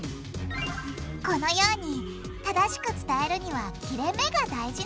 このように正しく伝えるには切れめが大事なんだ！